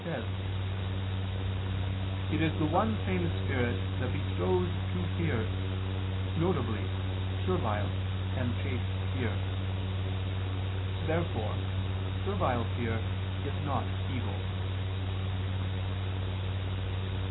says: "It is the one same spirit that bestows two fears, viz. servile and chaste fear." Therefore servile fear is not evil.